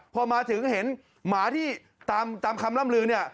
พอมาถึงเห็นหมาที่ตามคำล่ำลือเนี่ย